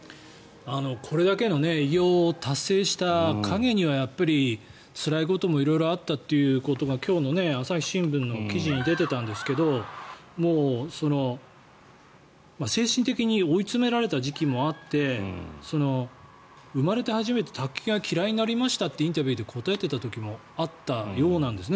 これだけの偉業を達成した陰にはつらいことも色々あったということが今日の朝日新聞の記事に出てたんですけど精神的に追い詰められた時期もあって生まれて初めて卓球が嫌いになりましたってインタビューで答えていた時もあったようなんですね。